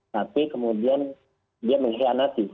tapi kemudian dia mengkhianati